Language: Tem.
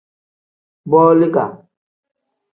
Boliga.